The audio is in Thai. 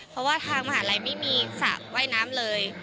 เพราะว่าทางมหาลัยไม่มีสระว่ายน้ำเลย